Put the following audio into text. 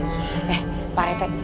eh pak rete